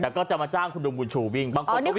แต่ก็จะมาจ้างคุณลุงบุญชูวิ่ง